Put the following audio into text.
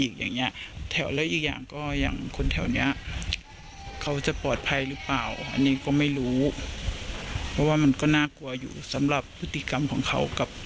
ฟังเสียงเพื่อนบ้านดูหน่อยค่ะ